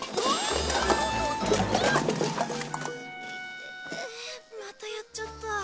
イテテまたやっちゃった。